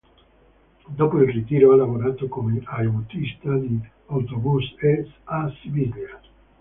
Dopo il ritiro ha lavorato come autista di autobus a Siviglia.